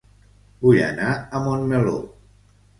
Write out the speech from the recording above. Vull anar a Montmeló